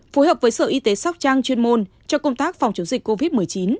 phối hợp với sở y tế sóc trăng chuyên môn cho công tác phòng chống dịch covid một mươi chín